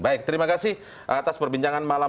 baik terima kasih atas perbincangan malam